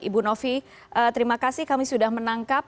ibu novi terima kasih kami sudah menangkap